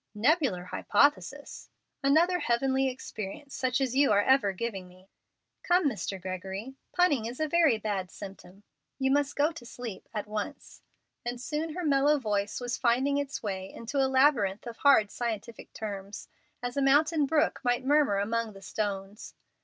"Nebular Hypothesis! Another heavenly experience such as you are ever giving me." "Come, Mr. Gregory, punning is a very bad symptom. You must go to sleep at once." And soon her mellow voice was finding its way into a labyrinth of hard scientific terms, as a mountain brook might murmur among the stones.